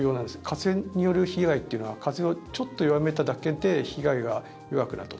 風による被害というのは風をちょっと弱めただけで被害が弱くなると。